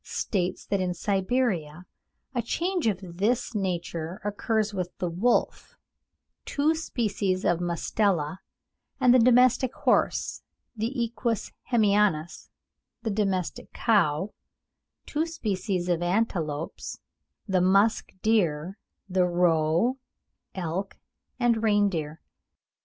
states that in Siberia a change of this nature occurs with the wolf, two species of Mustela, the domestic horse, the Equus hemionus, the domestic cow, two species of antelopes, the musk deer, the roe, elk, and reindeer.